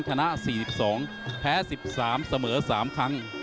ชนะ๔๒แพ้๑๓เสมอ๓ครั้ง